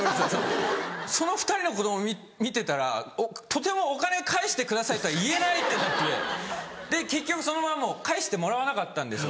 その２人の子供見てたらとてもお金返してくださいとは言えないってなって結局その場はもう返してもらわなかったんですよ。